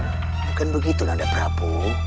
bukan begitu nanda prabu